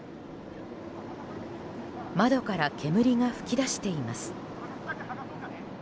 窓から煙が噴き出しています。